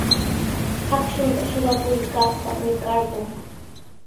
Akshunta suqakuykaqta rikarqun.